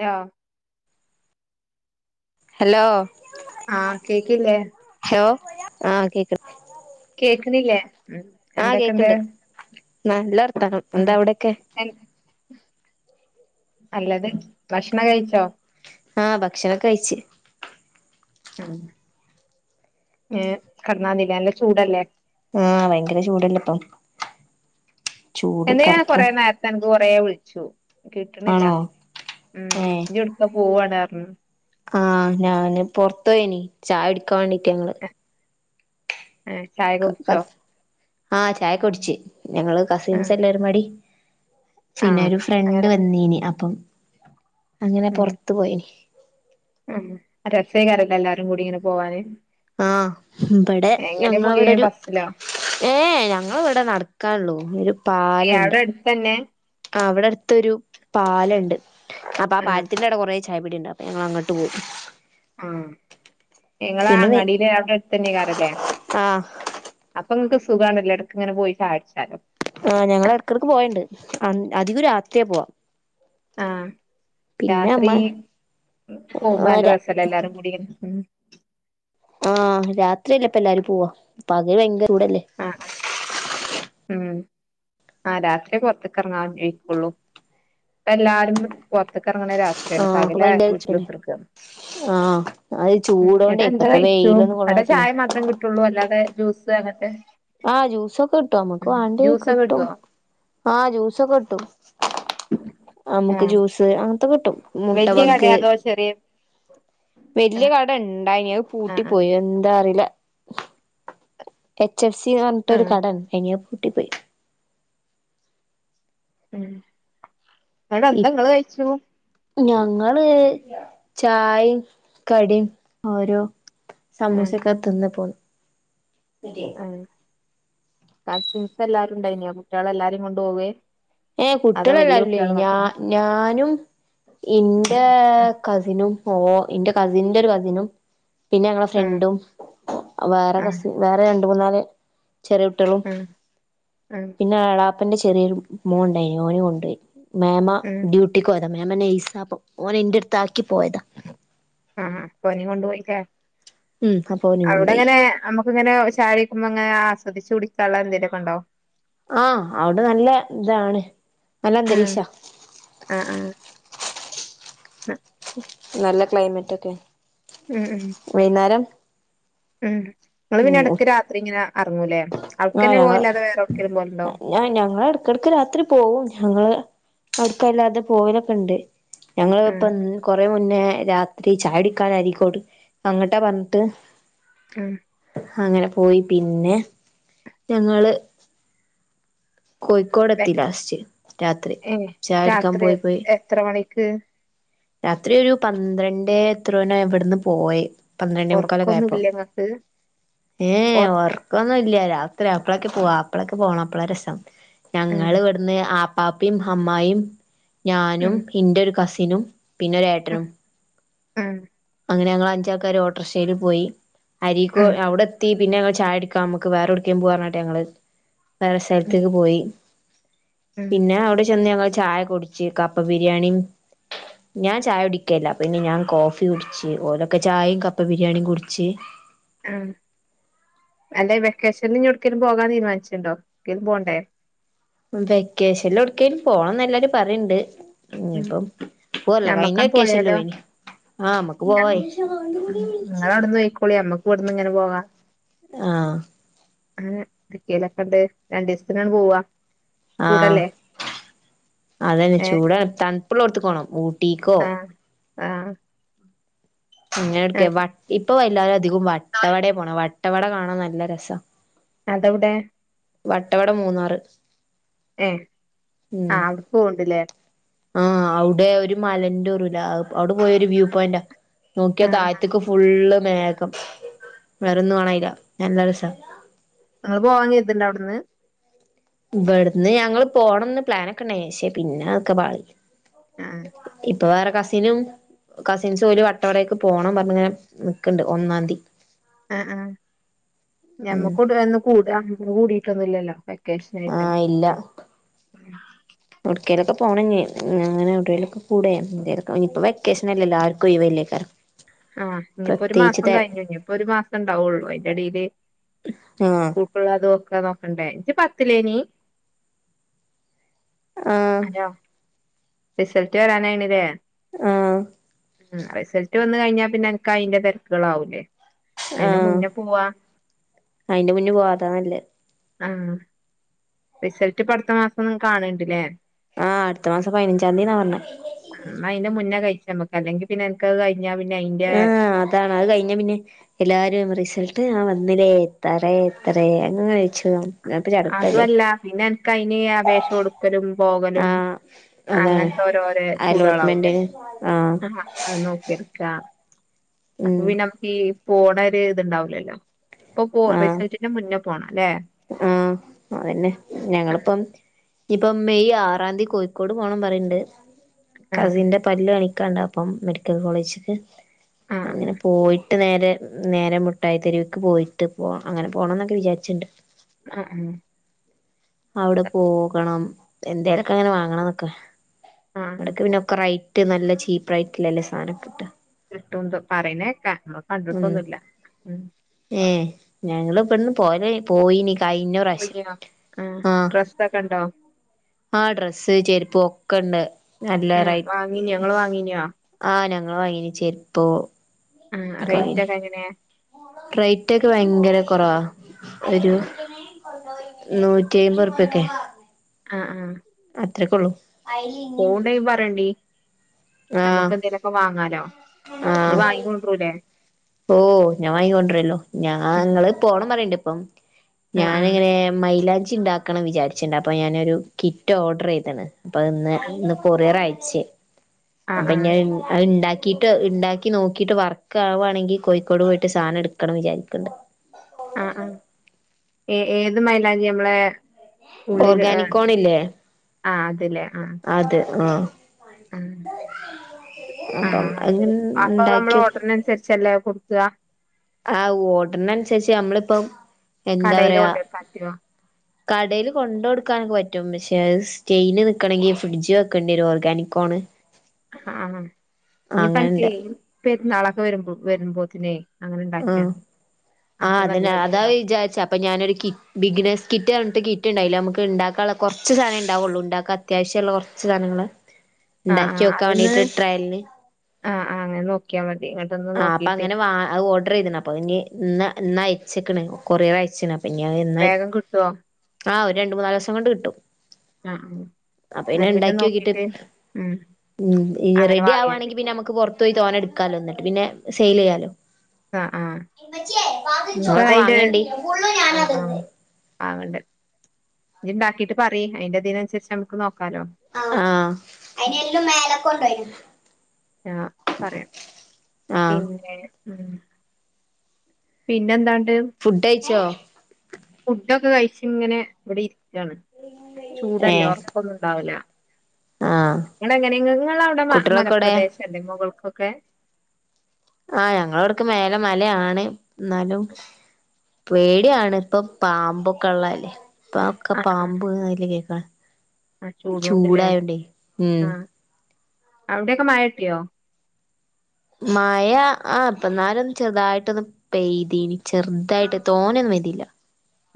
യ ഹലോ. ആഹ് കേക്കില്ലേ ഹലോ ആഹ് കേക്ക കേക്ക്ണില്ലേ? ഉം. ആഹ് എന്തൊക്കെണ്ട് കേക്ക്ണ്ട് നല്ല വർത്താനം ഉം എന്താ അവിടെക്കെ എ നല്ലത് ഭക്ഷണം കഴിച്ചോ? ആഹ് ഭക്ഷണൊക്കെഴിച്ച്. ഉം ഏഹ് കടന്നാതില്ലേ നല്ല ചൂടല്ലേ? ആഹ് ഭയങ്കര ചൂടല്ലേ ഇപ്പം. ചൂട് എന്ത് ഞാൻ കറക്ക കൊറെ നേരത്തെ അനക്ക് കൊറേ വിളിച്ചു കിട്ടണില്ല ആണോ ഉം ഏഹ് ഇജ് ഒട് ക്കൊ പോവാണറഞ്ഞ് ആഹ് ഞാന് പൊറത്ത് പോയ്നി ചായ കുടക്കാൻ വേണ്ടീട്ട് ഞങ്ങള് ഏഹ് ചായക്കെ ഞങ്ങള് കുടിച്ചോ? കസ് ആഹ് ചായകുടിച്ച് ഞങ്ങള് കസിൻസ് ആഹ് എല്ലാരുംപാടി ആഹ് ഫിന്നൊരു ഫ്രണ്ട് അങ്ങനെ വന്നീനി അപ്പം അങ്ങനെ പൊറത്തു പോയ്നി- ആഹ് രസേകാരല്ലേ എല്ലാരും കൂടി ഇങ്ങനെ പോവാന്? ആഹ് ഇബടെ എങ്ങനെ ഞങ്ങളെ പോയേ ഇവിടൊരു ബസ്സിലോ ഏഹ് ഞങ്ങളെ ഇവടെ നടക്കാള്ളൂ ഒരു പാലണ്ട് തന്നെ- ആഹ് ഇവിടെ അടുത്തൊരു പാലണ്ട് അപ്പൊ ആ ആഹ് പാലത്തിന്റെ അവടെ കൊറേ ചായ പീടിയ ണ്ട് അപ്പൊ ഞങ്ങള് അങ്ങട്ട് പോവും. ആഹ് നിങ്ങളെ വെ അങ്ങാടില് അവിടെ എടുത്ത് തന്നെക്കാറല്ലേ? ആ അപ്പൊ ഇങ്ങക്ക് സുഖാണല്ലോ എടക്ക് ഇങ്ങനെ പോയി ചായ കുടിച്ചാലോ- ആഹ ഞങ്ങള് എടക്ക്ടക്ക് പോവേണ്ട് അധികും രാത്രിയ പോവാ ആഹ് പിന്നെ രാത്രി അമ്മ പോവുമ്പോ ആ ര നല്ല രസല്ലേ എല്ലാരും കൂടി ഇങ്ങനെ ഉം ആഹ് രാത്രിയല്ലേ ഇപ്പം എല്ലാരും പോവാ പകല് ഭയങ്കര ചൂടല്ലേ ആഹ ആഹ ഉം ആഹ രാത്രി പുറത്തക്കറങ്ങാൻ [unintelligible] ഫുള്ളും ഇപ്പ എല്ലാരും പുറത്തക്കറങ്ങണ ആ രാത്രിയാണ് ഇപ്പ പകൽ ഭയങ്കര വീട്ടില് ചൂടല്ലേ ഉത്തിർക്ക. ആ അത് മഹ് ചൂടോണ്ടേ എട്ടാ എന്താ ഇപ്പത്തെ കഴിച്ചു വെയിലൊന്നും കൊള്ളാൻ അടെ പറ്റില്ല ചായ മാത്രം കിട്ട. ട്ടുള്ളൂ അല്ലാതെ ജ്യൂസ് അങ്ങനത്തെ. ആഹ് ജ്യൂസൊക്കെ കിട്ടും നമ്മുക്ക് വാണ്ടി ജ്യൂസൊക്കെ കിട്ടും കിട്ടുവോ ആഹ് ജ്യൂസൊക്കെ കിട്ടും. നമുക്ക് ജ്യൂസ് അങ്ങനത്തെ കിട്ടും മുട്ട വലിയ ബഗ് കടയാതോ ചെറിയ. വല്യ ആഹ് കട ഇണ്ടായിനി ആഹ് ആഹ് അത്പൂട്ടിപ്പോയി എന്താ അറിയില്ല. എച്ച് എഫ് സി എന്ന് പറഞ്ഞിട്ട് ഒരു ആഹ് കടഇണ്ടായി നെ അത് പൂട്ടിപ്പോയി. മഹ് അടെ ഇപ് എന്തങ്ങള്കഴിച്ചു. ഞങ്ങള് ചായയും കടിയും ഓരോ. ആഹ് സമൂസക്കെത്തിന്ന പോ മ്ഹ്കസിൻസ് എല്ലാരുംണ്ടായിന കുട്ടികളെ എല്ലാരേും കൊണ്ടു പോവേ ഏഹ് അതോ വല്യ കുട്ടികളല്ലാവില്ലേ കുട്ടികള് ഞാ മാത്രോ ഞാനും. ഇന്റെ കസിനും ഓഹ ഇന്റെ കസിന്റെ ഒരു കസിനും. പിന്നെ ഞങ്ങളെ ആഹ് ഫ്രണ്ടും വേറെ ആഹ് കസി വേറെ രണ്ട് മൂന്നാല് ചെറിയ ട്ടളും ആഹ് ആഹ് പിന്നെ എളാപ്പന്റെ ചെറിയൊരു മോനുണ്ടായി ഓന കൊണ്ടോയി മാമ ആഹ് ഡ്യൂട്ടിക്ക് പോയതാ മാമ എന്നെ നേഴ്സ അപ്പ ഓൻ എന്റെടുത്ത് ആക്കി പോയതാ. ആഹ് പനി കൊണ്ടു പോയിട്ടേ ഉം അപ്പൊ ഓനിം കൊണ്ടോയി അവിടെങ്ങനെ നമ്മുക്ക് ഇങ്ങനെ ഒരു [unintelligible] [unintelligible] ആസ്വദച്ച് കുടിക്കാനുള്ള എന്തേലൊക്കെ ഉണ്ടോ. ആഹ് അവിടെ നല്ല ഇതാണ് നല്ല അന്തരീക്ഷ. ആഹ് ആഹ് ആഹ്. [inaudible] നല്ല ക്ലൈമറ്റ് ഒക്കെ. ഉം ഉം വൈന്നേരം. ഉം ഇങ്ങൾ ഉം ഇടയ്ക്ക് രാത്രിങ്ങനെ എറങ്ങുലെ [unintelligible] പോവലുണ്ടോ ങ്ങാ ഞങ്ങള ഇടക്കിടക്ക് രാത്രി പോവും ഞങ്ങള് അടുക്കല്ലാതെ പോലൊക്കെ ഉണ്ട്. ആഹ് ഞങ്ങളിപ്പൻ കൊറ കുറ മുന്നേ രാത്രി ചായടുക്കാനായിരിക്കോട് അങ്ങട്ടെ പറഞ്ഞിട്ട് ഉം ഹങ്ങനെ പോയി പിന്നെ ഞങ്ങള് കോയിക്കോട് എത്തി ലാസ്റ്റ് രാത്രി ഏഹ് ചായുടിക്കാൻ രാത്രി പോയി പോയി എത്ര മണിക്ക്? രാത്രി ഒരു പന്ത്രണ്ട എത്രെനോ ഇവിടുന്ന് പോയ പന്ത്രണ്ടെമുക്കാൽ ഒക്കെയായിയ്പം ഒറക്കൊന്നുല്ലേ ഇങ്ങക്ക് ഏഹ ഒർ വർ പൊന്നും ഇല്ല രാത്രി അപ്പഴൊക്കെ പോവാ അപ്പഴൊക്കെ പോണം അപ്പളാ രസം ഞങ്ങള് ആഹ് ഇവട ന്ന് ആപ്പാപ്പയും അമ്മായിയും ഞാനും ഉം ഇന്റെ ഒരു കസിനും പിന്നെ ഒരു ഉം ഏട്ടനും ഉം അങ്ങനെ ഞങ്ങൾ അഞ്ചാൾക്കാാര് ഓട്ടറിക്ഷൽ പോയി അരിക്കോ ഉം അവിടെ എത്തി പിന്നെ ഞങ്ങ ചായടിക്കാ നമ്മുക്ക് വേറെ എടക്കും പോവന്നറഞ്ഞിട്ട് ഞങ്ങള് വേറെ ഉം സലത്തേക്ക് പോയി ഉം പിന്നെ ഞാൻ അവിടെ ചെന്ന് ഞങ്ങള് ചായ കുടിച്ചു കപ്പ ബിരിയാണിയും ഞാൻ ചായ കുടിക്കെല്ല പിന്നെ ഞാൻ കോഫി കുടിച്ച് ഓലൊക്കെ ചായയും കപ്പ ബിരിയാണിയും കുടിച്ച് ആഹ് അല്ലെ വെക്കേഷനിനി എവടക്കേലും പോകാൻ തീരുമാനിച്ചിട്ടുണ്ടോ ക്കിലും പോണ്ടേ? മ് വെക്കേഷനിൽ എവിടക്കേലും പോണംന്ന് എല്ലാരും പറയണ്ട് ഇനിപ്പം പോല്ല കഴിഞ്ഞ ഞമ്മക്കാണ്ട് വെക്കെഷനില് പോയാലോ പോയിന് ആഹ് നമ്മക്ക് പോവയ് നിങ്ങളവിടുന്ന് പോയിക്കോളി നമ്മുക്ക് ഇവിടുന്ന് ഇങ്ങനെ പോകാം ആഹ് അങ്ങനെ ഇടുക്കയിലൊക്കെണ്ട് രണ്ടു ദിവസത്തിനാണ് പോവാ ആഹ് ചൂടല്ലേ അതന്നെ ഏ ചൂടാണ് തണുപ്പ്ള്ളോടുത്തക്കോണം ഊ- ആഹ് ആഹ് ഇങ്ങനെ എടുക്ക ആഹ് വ ഇപ്പ എല്ലാ അധികം വട്ടവടയെ പോണെ വട്ടവട കാണാൻ നല്ല രസ അതെവിടെ വട്ടവട മൂന്നാറ് ഏഹ് ഉം ആഹ് അവിടെ പോണ്ട്ല്ലേ ആഹ് അവിടെ ഒരു മലന്റെ നൂറൂല്ല അവിടെ പോയ ഒരു വ്യൂ പോയിന്റാ നോക്കിയാ ആഹ് ആഹ് താഴത്ത്ക്ക് ഫുള്ള് മേഘം വേറൊന്ന് കാണല്ല നല്ല രസ നിങ്ങള് പോവാൻ [unintelligible] അവിടുന്ന് ഇവിടുന്ന് ഞങ്ങള് പോണംന്ന് പ്ലാനൊക്കെ ഉണ്ടായിൻ പക്ഷെ പിന്നെ അതൊക്കെ പാളി ആഹ് ഇപ് പ്പൊ വേറെ കസിനും കസിൻസ് ഓല് വട്ടവടേക്ക് പോകണം പറഞ്ഞഞ്ങ്ങനെ നിക്ക്‌ണ്ട് ഒന്നാം തി ആഹ് ആഹ് ഉം ഞമ്മക്ക്കൂടൊന്നു കൂടാം കൂടിട്ടൊന്നുല്ലല്ലോ ക്കേഷനായിട്ട് ആഹ് എടുക്കെലൊക്കെ പോണം ഞ്ഞി അങ്ങനെ എവിടെലൊക്കെ കൂടെം എന്തേരൊക്കെ ഇനിപ്പൊ വെക്കേഷൻ അല്ലല്ലോ ആർക്കും ഒഴിവല്ലേകാരം ആഹ് ഇനിയിപ്പോ ഒരു മാസം കഴിഞ്ഞു ഇനിയിപ്പോ ഒരു മാസം ഉണ്ടാവുള്ളൂ അതിന്റെ ഇടയില് ആഹ് കൂട്ടുകാരുടെക്കെ നോക്കണ്ടേ ജ്ജ് പത്തിലേ നി ആഹ് അലോ റിസൾട്ട് വരാനായിണ് ല്ലേ ആഹ് റിസൾട്ട് വന്നു കഴിഞ്ഞാ പിന്നെ അനക്ക് അതിന്റെ തിരക്കുകളാവുല്ലേ ആഹ് അയിന്റെ മുന്നേ പോവാ അതാ നല്ലെ ആഹ് റിസൾട്ട് പ്പ അടുത്ത മാസം ന് കാണ് ണുണ്ട്ല്ലേ ആഹ് അടുത്തമാസം പതിനഞ്ചാം തീന്നാ പറഞ്ഞെ ന്നാ അതിന്റെ മുന്നേ കഴിച്ച നമ്മക്ക് അല്ലെങ്കി പിന്നെ എനക്ക്ത് കഴിഞ്ഞാ പിന്നെ അയിന്റെ- ഇതാണ് അത് കഴിഞ്ഞ പിന്നെ എല്ലാരും റിസൾട്ട് ആഹ് വന്നില്ലേ എത്ര എത്ര അങ്ങനെ ചോയ്ച്ചും അതുവല്ല പിന്നെ അനക്ക് അതിന് അപേക്ഷ കൊടുക്കലും പോകലും ആഹ് അതാണ് അങ്ങനത്തെ ഓരോരോ ചൂടാളാവൂലേ അലോട്ട്മെന്റിന് ആഹ് ആ അത് നോക്കി എടുക്ക അപ്പോ ഉം പിന്നെ നമുക്ക് ഈ പോണ ഒരു ഇത്ണ്ടാവലല്ലോ ഇപ്പൊ പോ ആഹ് റിസൾട്ടിന്റെ മുന്നേ പോണംല്ലേ ആഹ് അതന്നെ ആഹ് ഞങ്ങളിപ്പം ഇപ്പൊ മെയ് ആറാം തീ കോഴിക്കോട് പോണം പറയ്ണ്ട് ആഹ് കസിന്റെ- പല്ല് കാണിക്കാണ്ട് അപ്പം മെഡിക്കൽ കോളേജ്ക്ക് ആഹ് അങ്ങനെ പോയി ട്ട് നേരെ നേരെ മുട്ടായിത്തെരുവിക്ക് പോയിട്ട് പോ അങ്ങനെ പോണം എന്നൊക്കെ വിചാരിച്ചിണ്ട് ആഹ് ആഹ് അവിടെ പോകണം എന്തേലൊക്കെ അങ്ങനെ വാങ്ങണം എന്നൊക്കെ ആഹ് അവിടെക്കെ പിന്നെ റൈറ്റ് നല്ല ചീപ്പ് റൈറ്റ്ലല്ലേ സാനകിട്ടാ കിട്ടും ന്തോ പറിന്നേക്ക നമ്മ ഉം കണ്ടിട്ടൊന്നുല്ല ഉം ഏഹ് ഞങ്ങള് ഇപ്പട്ന്ന് പോലെ പോയിനി കഴിഞ്ഞ പ്രാവശ്യം പോയിനോ ആഹ് ഡ്രസ്സക്കെണ്ടോ ആ ഡ്രസ്സ് ചെരിപ്പ് ഒക്കെണ്ട് നല്ല ആഹ് റൈറ്റ് വാങ്ങിനോ ഇങ്ങള് വാങ്ങീനോ ആഹ് ഞങ്ങള് വാങ്ങീനി ചെരിപ്പോ ആ റേറ്റ് ഒക്കെ എങ്ങനെയാ റേറ്റ് ഒക്കെ ഭയങ്കര കുറവാ ഒരു നൂറ്റി അയ്‌പത് ഉറുപ്പ്യക്കെ ആഹ് ആഹ് അത്രക്കൊള്ളൂ പോവ്ണ്ടയി പറയണ്ടി ആഹ് നമ്മുക്ക് എന്തേലൊക്കെ വാങ്ങാലോ ഇജ്ജ്‌ ആഹ് വാങ്ങിക്കൊണ്ടരുലെ ഓഹ് ഞാൻ വാങ്ങിക്കൊണ്ടരല്ലോ ഞാൻ ഉം ഞങ്ങള് പോണം പറയണ്ട് ഇപ്പം ആഹ് ആഹ് ഞാനിങ്ങനെ മൈലാഞ്ചിണ്ടാക്കണം വിചാരിച്ചിണ്ട് അപ്പൊ ഞാനൊരു കിറ്റ് ഓർഡറീതേണ് അപ്പത്‌ന്ന് ഇന്ന് കൊറിയർ അയച്ച് ആഹ് അപ്പൊ ഇഞ്ഞി ആഹ് അത് അത് ഇണ്ടാക്കിട്ട് ഇണ്ടാക്കി നോക്കിട്ട് വർക്ക് ആവാണെങ്കി കോയിക്കോട് പോയിട്ട് സാനം ഇടുക്കണം വിചാരിക്കിണ്ട് ആഹ് ആഹ് ഏഹ് ഏത് മൈലാഞ്ചി ഞമ്മളെ ഉള്ളില് ആഹ് ഓർഗാനിക്കോൺ ആഹ് അത്‌ല്ലേ അഹ് ആഹ് അത്‌ ആഹ് ആഹ് അപ്പം ആഹ് അത് അങ്ങനെ അപ്പൊ ഞമ്മള് ഉണ്ടാക്കി ഓർഡ്രനൻസരിച്ചല്ലേ കൊടുക്ക. ആഹ് ഓഡ്രനൻസരിച്ച് നമ്മളിപ്പം കടേല് എന്തപറയാ കൊണ്ടോയി പറ്റോ കടേല് കൊണ്ടടുക്കാനൊക്കെ പറ്റും പക്ഷെ അത് സ്റ്റെയിൽ നിക്കണെങ്കിൽ ഫ്രിഡ്ജിവെക്കേണ്ടേരും ഓർഗാനികോൺ ആഹ് ഇനിപ്പ അങ്ങനെണ്ട് അൻക്കേയ് പെര്ന്നളക്കെ വരുമ്പോ വരുമ്പോത്തിനേയ് ആഹ് അങ്ങനെണ്ടാക്കിയാതി അപ്പോ നല്ലത്‌ണ്ടാവും അപ്പൊഞാനൊരു കി ബിഗ്നേസ് കിറ്റ് പറഞ്ഞിട്ടൊരു കിറ്റ്ണ്ടായില്ലെ ഞമക്ക്ണ്ടാക്കാള്ള കുറച്ച് സാനേണ്ടാവുള്ളു ണ്ടാക്കാ അത്യാവശ്യള്ള കൊർച്ച് സാനങ്ങള് ആഹ് ആഹ് അതിന്ന് ട്രയലിന് ആഹ് ആഹ് അങ്ങനെ ന്നോക്കിയാമതി ആഹ് അപ്പങ്ങനെ വാ അത് ഓർഡ്രയ്‌ത്ണ് അപ്പൊ ഇനി ഇന്ന് ഇന്ന് അയച്ചക്ക്ണ് കൊറിയർ അയച്ച്ണ് അപ്പൊ പിന്നെ അഹ് എന്നാ വേഗം കിട്ടുവോ ആ ഒരു രണ്ട് മൂന്നാലോസം കൊണ്ട് കിട്ടും ആഹ് ആണ് അപ്പ പിന്നെ ഇണ്ടാക്കിയോക്കിട്ട് ഉം അങ്ങനെ റെഡി വാങ്ങിയാ മതി ആവാവാണെങ്കി പിന്നെ നമ്മക്ക് പൊർ തോയി തോനഎടുക്കാലോ എന്നിട്ട് പിന്നെ സെയിലെയ്യാലോ ആ ആ ഇനിയിപ്പ ഇങ്ങളൊക്കെ അയിന്റെ വാങ്ങണ്ടീ ആ ആ വാങ്ങണ്ട് ഇജ്ജ്‌ണ്ടാക്കിട്ട് പറീം അയിന്റെതിനൻസരിച്ച് നമ്മക്ക് നോക്കാലോ ആഹ് ആഹ് പറയാം ആഹ് പിന്നെ ഉം പിന്നെന്താണ്ട് ഫുഡ്ഡൈയ്‌ച്ചോ ഫുഡൊക്കെ കഴിച്ച്ങ്ങനെ ഇവടെ ഇരിക്കാണ് ഏ ചൂടല്ലേ ഒർ കൊന്നുണ്ടാവൂല ആഹ് ഇങ്ങളെങ്ങനെ ഇങ്ങളവടെ കുട്ടികളൊക്കെ എവിടെ മലപ്രദേശ എന്റെ മുകൾക്കൊക്കെ ആഹ് ഞങ്ങളവിടക്ക് മേലെ മലയാണ് ഇന്നാലും പേടിയാണ്പ്പൊ പാമ്പൊക്കെള്ളല്ലേ. പ ഒക്കെ ആഹ് ആഹ് പാമ്പ് കേറിയേക്ക ആഹ് ചൂടുകൊണ്ടില്ലേ ചൂടായൊണ്ടേയ് ഉം അവടെക്കെ മയട്ട്യോ. മയ ആഹ് ഇപ്പന്നാരൊന്ന് ചെർതായിട്ടൊന്ന് പെയ്തീനി ചെർതായിട്ട് തോനൊന്നും എയ്തീല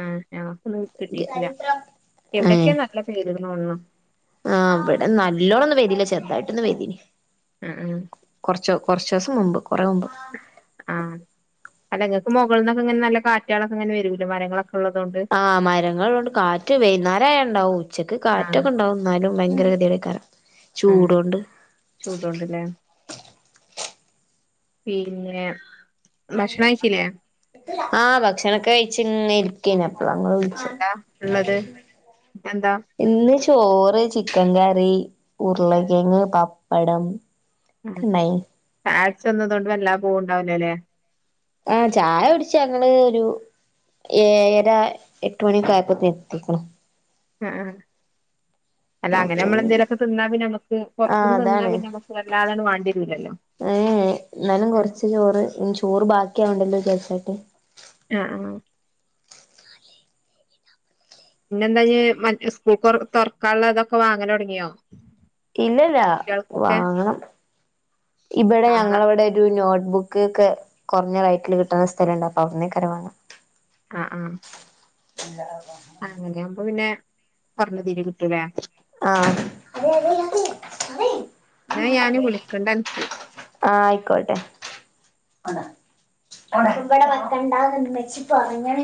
ആഹ് ആഹ് ഞങ്ങക്കൊന്നും കിട്ടിട്ടില്ല ഏഹ് എവിടൊക്കെ നല്ല പെയ്തിണ്ട്തോണുണു. ആഹ് ഇവടെ നല്ലോണംന്നും പെയ്തിട്ട്ല്ല ചെർതായിട്ടൊന്ന് പെയ്തീനി. ആഹ് ആഹ് കൊർച്ചോ കൊർച്ചോസം മുമ്പ് കുറേ മുമ്പ് ആഹ് അല്ലങ്ങക്ക് മൊകൾന്നൊക്കെങ്ങനെ നല്ല കാറ്റാളൊക്കെങ്ങനെവൂലെ മരങ്ങളൊക്കെള്ളതോണ്ട് ആഹ് മരങ്ങളള്ളതോണ്ട് കാറ്റ് വൈന്നേരായ ണ്ടാവും. ഉച്ചക്ക് ആഹ് കാറ്റൊക്കെണ്ടാവും ന്നാലും ഭയങ്കര ഗതീടെകാരം ചൂടോണ്ട്. ചൂടോണ്ട്ലെ പിന്നെ ഭക്ഷണം കഴിച്ചില്ലേ എന്താ ആഹ് ഭക്ഷണണൊക്കെ കയിചിങ്ങ. ർക്കേനു അപ്പളാ ഇങ്ങള് വിൾച്ചേ. ഉള്ളത് എന്താ ന്ന് ചോറ് ചിക്കങ്കറി ഉർളങ്കേങ് പപ്പടം. ഒക്കെണ്ടായിനി അയച്ചെന്നതോണ്ട് വല്ലാ പോവണ്ടാവല്ലലെ. ആഹ് ചായടിച്ച ഞങ്ങള് ഒരു ഏഹ് ഏര എട്ട് മണിക്കായപ്പാതെ എത്തിക്കുണു ആഹ് ആഹ് അല്ല ആഹ് അങ്ങനെ നമ്മള് പിന്നെ എന്തെലൊക്കെ തിന്നാപിന്നെ നമ്മക്ക് ആഹ് പോർത്തന്ന് ന്നാ അതാണ് പിന്നമക്ക് വല്ലാതങ്ങ് വണ്ടിരില്ലല്ലോ ഏഹ് എന്നാലും കൊറച്ച് ചോറ് ചോറ് ബാക്കിയവണ്ടല്ലോ വിചാരിച്ചാട്ട് ആഹ് ആഹ് പിന്നെന്താഞ്ഞ് മറ്റ് സ്കൂൾക്ക് തോർ തോർക്കാള്ളതൊക്കെ വാങ്ങല് തോടങ്ങിയോ ഇല്ലല്ല വാങ്ങണം ഇവടെ വാങ്ങണം ഞങ്ങളവിടെ ഒരു നോട്ട്ബുക്ക്ക്കെ കൊറഞ്ഞ റൈറ്റില് കിട്ടണ സ്ഥലണ്ട് അപ്പ അവിടെന്ന് കരവങ്ങ ആഹ് ആഹ് [unintelligible] അങ്ങനെയാവുമ്പ പിന്നെ കൊറഞ്ഞതിരി കിട്ടൂലേ ആഹ് ആഹ് എന്നാ ഞാന് വിളിക്കണ്ട് അനക്ക് ആയിക്കോട്ടെ ഇവടെ വെക്കണ്ടാന്ന് ഇമ്മച്ചി പർഞ്ഞീണ്